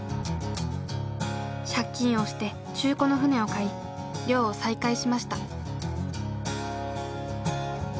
借金をして中古の船を買い漁を再開しました。